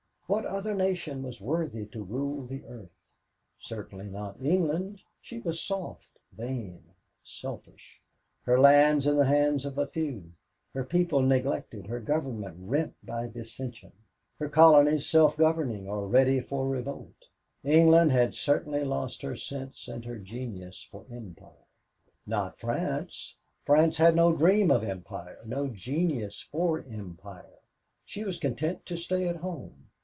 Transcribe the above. What other nation was worthy to rule the earth? Certainly not England she was soft, vain, selfish her lands in the hands of a few, her people neglected, her government rent by dissensions, her colonies self governing or ready for revolt. England certainly had lost her sense and her genius for empire. Not France. France had no dream of empire, no genius for empire; she was content to stay at home.